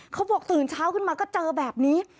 เขาบอกตื่นเช้าขึ้นมาก็เจอแบบนี้